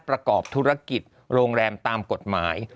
ประกอบธุรกิจโรงแรมตามกฎหมาย